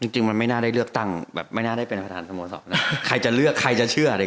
จริงมันไม่น่าได้เลือกตั้งแบบไม่น่าได้เป็นประธานสโมสรนะใครจะเลือกใครจะเชื่ออะไร